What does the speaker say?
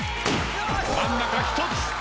真ん中１つ。